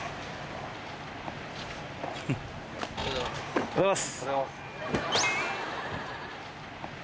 おはようございます。